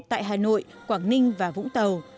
tại hà nội quảng ninh và vũng tàu